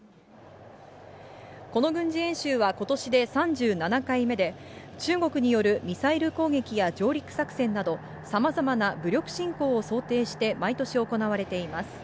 この軍事演習はことしで３７回目で、中国によるミサイル攻撃や上陸作戦など、さまざまな武力侵攻を想定して毎年行われています。